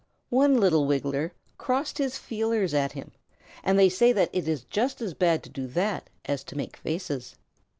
One little Wiggler crossed his feelers at him, and they say that it is just as bad to do that as to make faces.